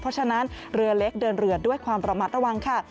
เพราะฉะนั้นเรือเล็กเดินเรือด้วยความระมัดระวังค่ะ